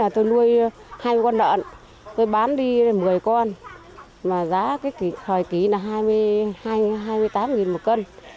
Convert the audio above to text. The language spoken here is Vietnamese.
tôi nuôi hai mươi con đợn tôi bán đi một mươi con mà giá hồi ký là hai mươi tám đồng một cân